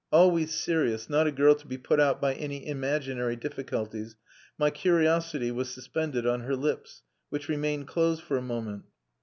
Always serious, not a girl to be put out by any imaginary difficulties, my curiosity was suspended on her lips, which remained closed for a moment.